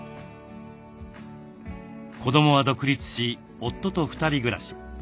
子どもは独立し夫と２人暮らし。